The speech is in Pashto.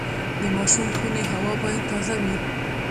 د ماشوم خونې هوا باید تازه وي۔